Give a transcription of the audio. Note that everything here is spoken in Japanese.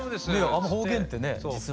あんまり方言ってね実は。